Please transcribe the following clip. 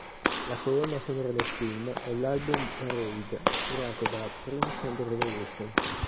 La colonna sonora del film è l'album "Parade" curato da Prince and The Revolution.